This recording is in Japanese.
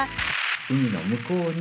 海の向こうに。